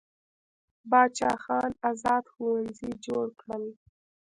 باچا خان ازاد ښوونځي جوړ کړل.